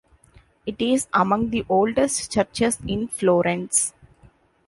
It is among the oldest churches in Florence.